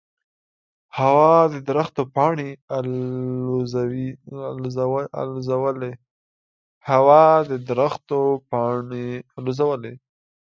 هوا د درختو پاڼې الوزولې.